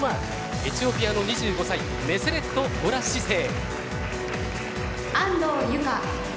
エチオピアの２５歳メセレット・ゴラ・シセイ。